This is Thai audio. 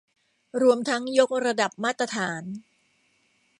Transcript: รวมทั้งยกระดับมาตรฐาน